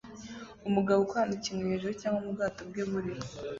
Umugabo ukorana ikintu hejuru cyangwa mubwato bwe buri